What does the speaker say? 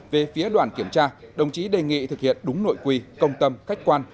về phía đoàn kiểm tra đồng chí đề nghị thực hiện đúng nội quy công tâm khách quan